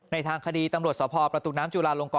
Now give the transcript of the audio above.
ทางคดีตำรวจสพประตูน้ำจุลาลงกร